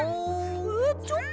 えっちょっと！